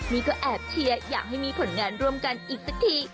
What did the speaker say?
นี่ก็แอบเชียร์อยากให้มีผลงานร่วมกันอีกสักที